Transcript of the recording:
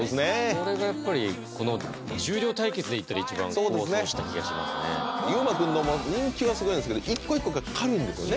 それがやっぱりこの重量対決で言ったら一番功を奏した気がしますね優馬君のも人気はスゴいんですけど一個一個が軽いんですよね